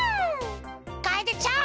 かえでちゃん！